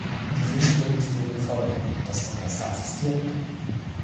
Die Singstimmen stehen im Vordergrund, das Orchester assistiert nur.